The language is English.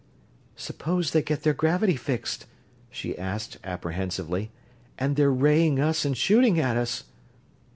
"Suppose they get their gravity fixed?" she asked, apprehensively. "And they're raying us and shooting at us!"